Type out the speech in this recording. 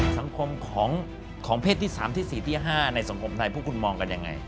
สังคมของเพศที่๓ที่๔ที่๕ในสังคมไทยพวกคุณมองกันยังไง